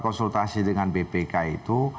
konsultasi dengan bpk itu